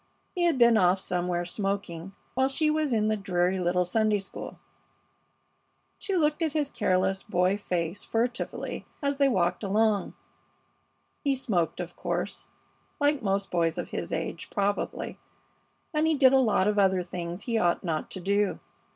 He had been off somewhere smoking while she was in the dreary little Sunday school. She looked at his careless boy face furtively as they walked along. He smoked, of course, like most boys of his age, probably, and he did a lot of other things he ought not to do.